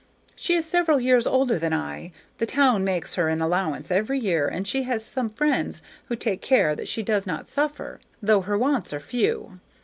She is several years older than I. The town makes her an allowance every year, and she has some friends who take care that she does not suffer, though her wants are few.